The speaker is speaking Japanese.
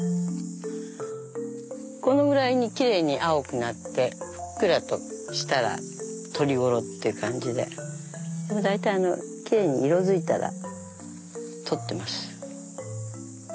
このぐらいにきれいに青くなってふっくらとしたら採り頃って感じで大体きれいに色づいたら採ってます。